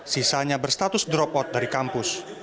sisanya berstatus dropot dari kampus